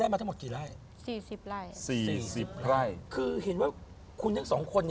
ไม่ได้หยับ